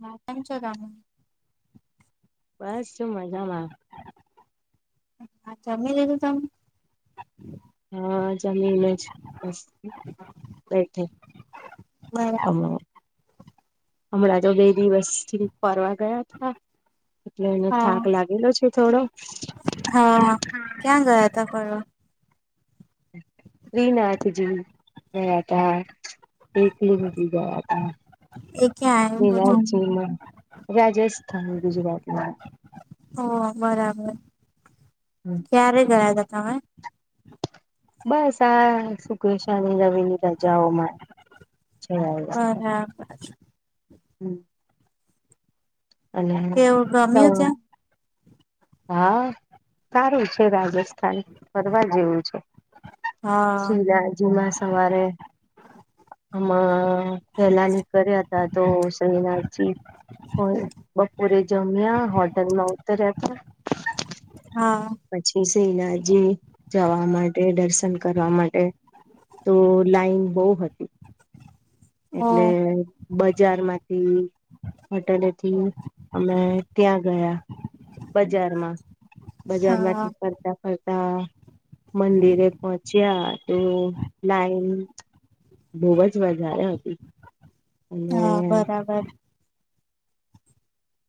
હા, કેમ છો તમે? બસ જો મજામાં. હા જમી લીધું તમ? હા, જમીને જ બેઠી. બરાબર. હમણાં તો બે દિવસથી ફરવા ગયાં હતાં. એટલે એનો હા થાક લાગેલો છે થોડો હા. ક્યાં ગયા તા ફરવા શ્રીનાથજી ગયાં હતાં. એકલી મૂકી ગયાં તા. એ કયાં? રાજ્યમાં રાજસ્થાન ગુજરાતમાં. હોવ બરાબર. હમ્મ. ક્યારે ગયા તા તમે? બસ આ શુક્ર, શનિ, રવિની રજાઓમાં. જયા બરાબર. હમ્મ. અને કેવું હ ગમ્યું ત્યાં હા સારું છે બાકી. થાય ફરવા જેવું છે હા શ્રીનાથજીમાં સવારે [inaudible] આમાં પહેલાની ફર્યા હતાં તો શ્રીનાથજી હોય. બપોરે જમ્યા હોટલમાં ઉતર્યા તા. હા. પછી શ્રીનાથજી જવા માટે, દર્શન કરવા માટે તો લાઈન બોવ હતી ઓ એટલે બજારમાંથી હોટેલેથી અમે ત્યાં ગયા. બજારમાં, હા બજારમાંથી ફરતાં ફરતાં મંદિરે પહોંચ્યા. તો લાઈન બોવ જ વધારે હતી. અને હા, બરાબર.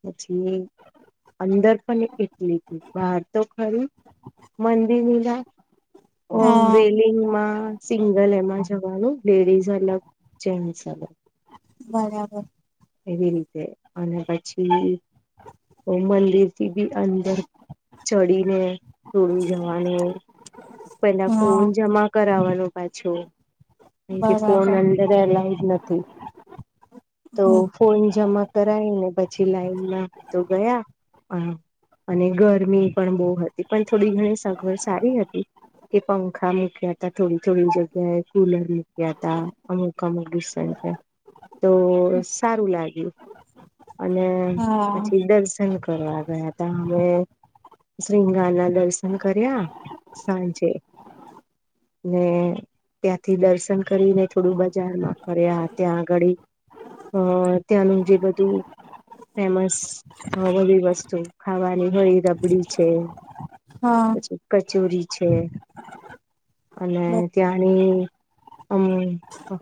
પછી અંદર પણ એટલી હતી બાર તો ખરી મંદિરના. ઓ હા રેલિંગમાં સિંગલ એમાં જવાનું લેડીઝ અલગ. જેન્ટ્સ અલગ. બરાબર. એવી રીતે અને પછી. મંદિર થી બી અંદર ચડીને તોડુ જવાનું. પેલા હા ફોન જમા કરાવવાનો પાછુ. કેમ કે ફોન બરાબર અંદર અલાઉડ નથી તો હમ ફોન જમા કરાયને પછી લાઈનમાં તો ગયા અ અને ગરમી પણ બોવ હતી પણ થોડી ઘણી સગવડ સારી હતી. કે પંખા મૂક્યા તા થોડી-થોડી જગ્યાએ. કુલર મૂક્યા તા અમુક અમુક ડિસટન્સે, તો સારું લાગ્યું. અને હા પછી દર્શન કરવા ગયાં હતાં અમે. શૃંગાર ના દર્શન કર્યા સાંજે. ને. ત્યાંથી દર્શન કરીને થોડું બજારમાં ફર્યા ત્યાં આગળ ઈ. અ ત્યાંનું જે બધું. ફેમસ બધી વસ્તુ ખાવાની હોય રબડી છે. હા. પછી કચોરી છે અને ત્યાં અને અ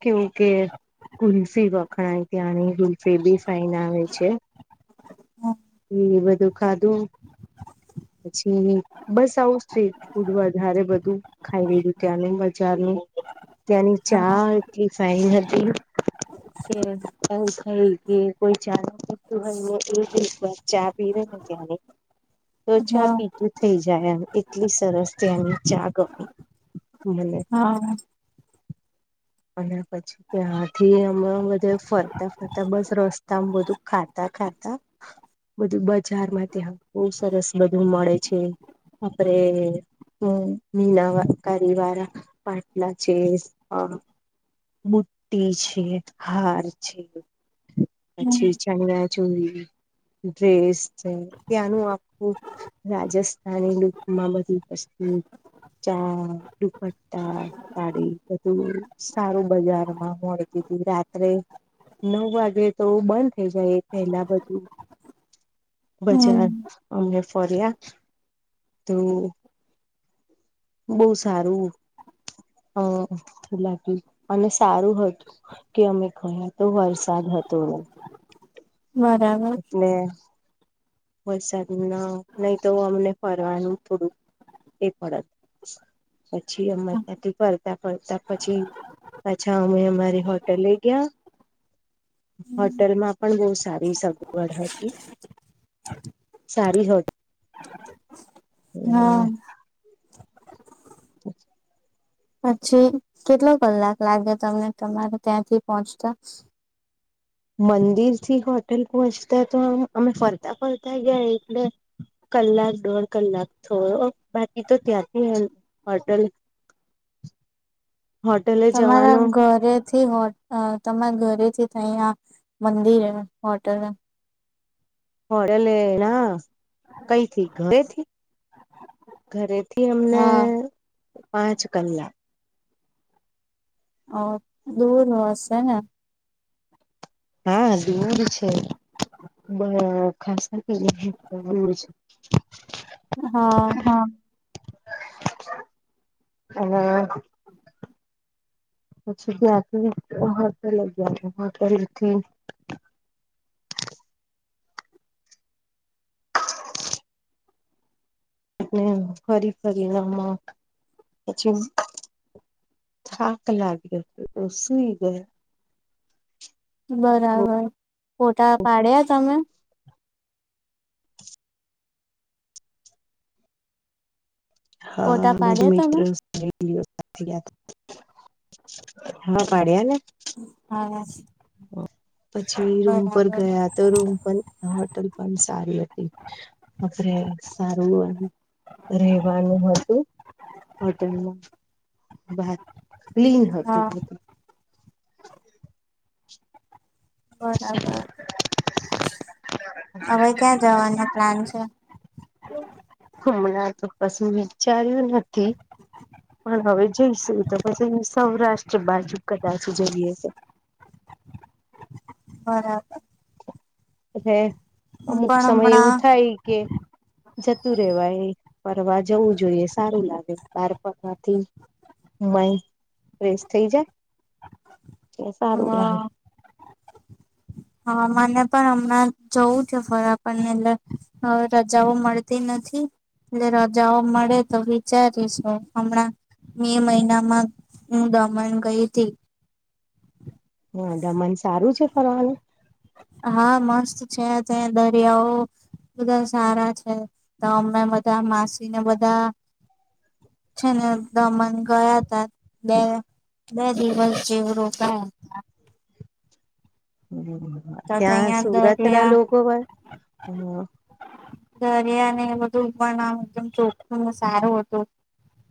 કેવુ કે કુલ્ફી વખણાય ત્યાંની કુલ્ફી બી ફઇન આવે છે. હા એ બધું ખાધું. પછી બસ આવું સ્ટ્રીટ ફૂડ વધારે બધું ખાઈ. ત્યાંનું બજારનું ત્યાંની ચા એટલી ફઇન હતી. કે ક થઈ કે કોઈ ચા ન વસ્તુ હોય ને એ એક વાર ચા પીવે ને ત્યાંની. તો ચા હા પીધું થઇ જાય એમ એટલી સરસ છે એની ચા ગમે. મને લે. હા. અને પછી ત્યાંથી હણા બધા ફરતા ફરતા બસ રસ્તામાં બધું ખાતા ખાતા બધું બજાર માં ત્યાં બહુ સરસ બધું મળે છે. આપડે અ લીલા વાર. કડીવાળા પાટલા છે અ બુટી છે હાર છે. પછી ચણચૂવી ડ્રેસ છે ત્યાંનું આપખું. રાજસ્થાની લુક માં બધી વસ્તુ ચા. દુપટ્ટા. ગાડી બધું સારું બજાર માં મળતી ત રાત્રે. નવ વાગે તો બંધ થઇ જાય પહેલા બધું. બજાર હમ અમમે ફર્યા તો. બહ સારું લાગ અને સારું હતું. કે અમે કયો તો વરસાદ હતો. બરાબર. એટલે વરસાદ ના નહી તો અમને ફરવાનું થોડુંક. એ પત પછી અથી ફરતા ફરતા પછી. અચ્છા અમે અમારી હોટલ લે ગયા. હોટેલમાં પણ બહુ સારી સગવડ હતી. સારી હોત હા હમ [inaudible] પછી કેટલો કલાક લાગે તમને તમારે ત્યાંથી પહોંચતા. મંદિર થી હોટલ પહોંચતા તો આમ અમે ફરતા ફરતા ગયા એટલે કલાક દોઢ કલાક થો બાકી તો ત્યાંથી હોટેલ [inaudible] તમારા ઘરે થી હો તમારા ઘરેથી થાયયા મંદિર હોટલ હોટેલ ના કઈથી ઘરેથી ઘરે થી અમને હા પાંચ કલાક. અ દૂર હશે ને. હા દૂર છે. બ ખાસ દૂર છે. હા હ. પચ ગયા હોટેલ થી ફરી ફરી એમાં પછી થાક લાગ્યો તો સુઈ ગયા. બરાબર ફોટા પાડ્યા તમે. હા ફોટા બસ પાડ્યા મિત્ર તમે [unintelligible] હા પાડ્યા ને. હા પછી રૂમ પર બરાબર ગયા તો રૂમ પણ હોટલ પણ સારી હતી. આપણે સારું રહેવાનું હતું. હોટેલમાં બહાર ક્લીન હતું હા બરાબર હવે ક્યાં જવાનો પ્લાન છે. હમણાં તો કશું વિચાર્યું નથી પણ હવે જઈશું. તો પછી સૌરાષ્ટ્ર બાજુ કદાચ જઈએ બરાબર એટલે અમુક પણ સમય એવું હમણાં થાય કે જતું રેવાય એ ફરવા જવું જોઈએ સારું લાગે બાર ફરવાથી. માઈન્ડ ફ્રેશ થઈ જાય સારું લાગે. હ હા મને પણ હમણાં જવું છે ફરવા ને એટલે હવે રજાઓ મળતી નથી. એટલે રજાઓ મળે તો વિચારીશું હમણાં મે મહિનામાં હું દમણ ગઈ હતી. હા દમન સારું છે ફરવાનું. હા મસ્ત છે ત્યાં દરિયાઓ- બધા સારા છે તો અમે બધા માસી ને બધા છે ને દમણ ગયા હતા બે બે દિવસ જેવું રોકાયા તા હમ હતા તો ત્યાં સુરત ના દરિયા લોકો હોય દરિયા ને બધું આમ એકદમ ચોખું ને સારું હતું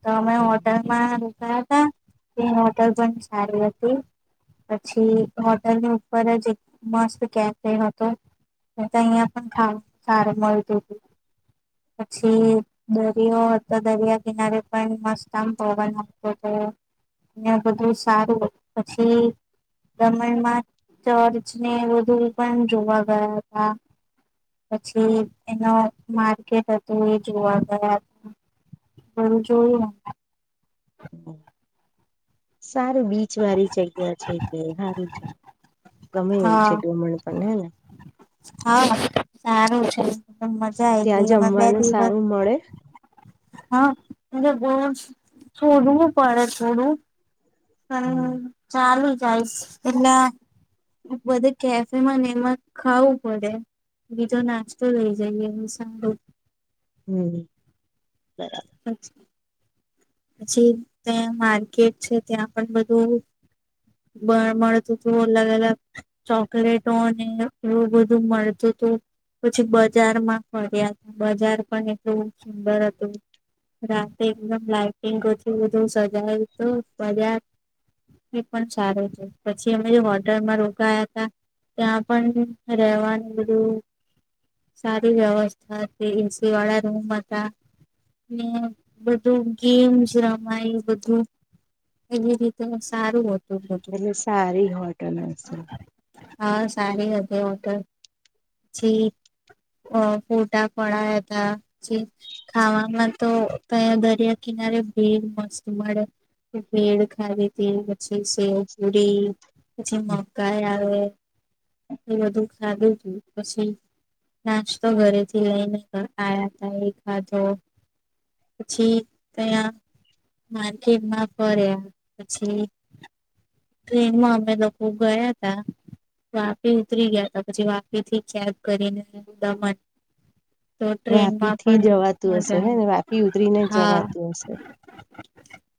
તો અમે હોટલ ત્યાં રોકાયા હતા તે હોટલ પણ સારી હતી. પછી હોટેલ ઉપર જ એક મસ્ત કેફે હતો. તો અહિયાં પણ ખાવ સાર મળતું હતું પછી દરિયો હતો દરિયા કિનારે પણ મસ્ત આમ પવન આપતો હતો. ને બધું સારું હતું પછી દમણમાં ચર્ચ ને બધું પણ જોવા ગયા હતા. પછી એનો માર્કેટ હતું એ જોવા ગયા હતા. ભરૂચ જોયું અમે. સારું બીચ વાળી જગ્યા છે કે સારું છે. ગમે એવું છે ડુમણ પણ હે ને. હાસારું છે એક દમ મજા આ ત્યાં ગઈ અમાં બે જમવાનું દિવસ સારું મળે. હા બહુત છોડવું પડે છોડવુ. પણ હમ ચાલુ જઈશ એટલે બધે કેફેમાં ને એમાં ખાવું પડે. બીજો નાસ્તો લઇ જઈએ એ સારો. હમ્મ બરાબર. અચ્છા. પછી ત્યાં માર્કેટ છે ત્યાં પણ બધું. બળ મળતું હતું અલગ અલગ- ચોકલેટો અને એવું બધું મળતું હતું. પછી બજારમાં ફર્યા હતા બજાર પણ એટલું સુંદર હતું. રાતે એકદમ લાઈટિંગ હતું બધું સજાયું તું બઝાર- એ પણ સારું છે પછી અમે જે હોટરમાં રોકાયા હતા. ત્યાં પણ રહેવાનું બધું- સારી વ્યવસ્થા હતી એસી વાળા રૂમ હતા. ને હે બધું- કેમ જ રમાય બધું એવી રીતે સારું હતું. બધું એટલે સારી હોટલ હશે. હા સારી હતી હોટલ જી- અ ફોટા પડ્યા હતા ખાવામાં તો કયો દરિયો- કિનારીઓ બેર મસ મળે. ભેડ ખાવી હતી પછી સેવ પુરી પછી મકાઈ આવે. એ બધું ખાધું હતું પછી- નાસ્તો ઘરેથી લઈને આયા તા એ ખાધો. પછી. ત્યાં માર્કેટમાં ફર્યા પછી- ટ્રેનમાં અમે લોકો ગયા તા- વાપી ઉતરી ગયા હતા પછી વાપી થી કેબ કરીને દમણ- તો વાપી ટ્રેનમાં થી પણ જવાતું મજા આવે. હા એવું સે [inaudible]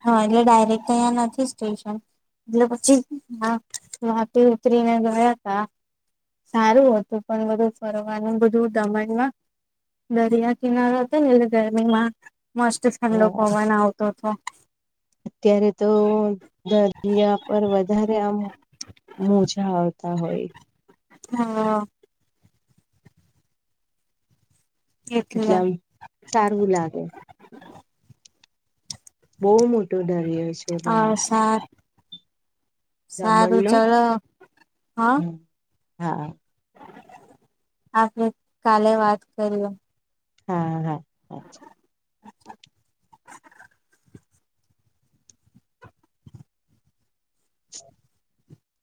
હા એટલે ડાયરેક્ટ તો અહીંયા નથી સ્ટેશન. એટલે પછી વા વાપી ઉતરીને ગયાતા. સારું હતું પણ બધું ફરવાનું બધું દમણમાં- દરિયા કિનારા હતા ને ગરમીમાં મસ્ત- ઠડો હા પવન આવતો હતો. ત્યારે તો દરિયા પર વધારે આમ- મોજા આવતા હોય. હા. એટલે એટલામ સારું લાગે. બહુ મોટો દરિયો છે પણ આ- સાત જમનનો ચલો હ હા. - આપણે કાલે વાત કરીએ. - હા હા અચ્છા. [inaudible]